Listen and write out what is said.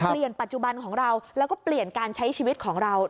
ปัจจุบันของเราแล้วก็เปลี่ยนการใช้ชีวิตของเรา